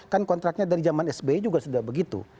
kan kontraknya dari zaman sbi juga sudah begitu